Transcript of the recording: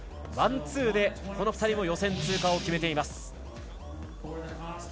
ワンツーで、この２人も予選通過を決めています。